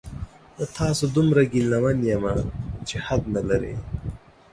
د تاسو دومره ګیله من یمه چې حد نلري